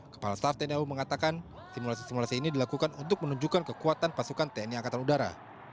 kepala staff tni au mengatakan simulasi simulasi ini dilakukan untuk menunjukkan kekuatan pasukan tni angkatan udara